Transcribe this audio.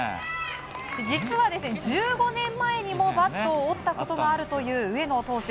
実は１５年前にもバットを折ったことがあるという上野投手。